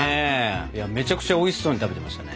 めちゃくちゃおいしそうに食べてましたね。